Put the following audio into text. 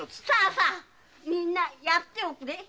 みんなやっておくれ。